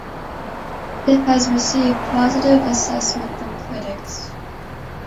It has received positive assessment from critics.